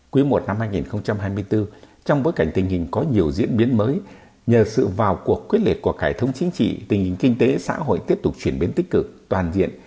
quý i năm hai nghìn hai mươi bốn trong bối cảnh tình hình có nhiều diễn biến mới nhờ sự vào cuộc quyết liệt của cải thống chính trị tình hình kinh tế xã hội tiếp tục chuyển biến tích cực toàn diện